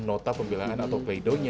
nota pembelaan atau play doi nya